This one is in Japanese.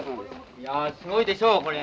いやすごいでしょうこれ。